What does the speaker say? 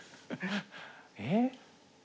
えっ？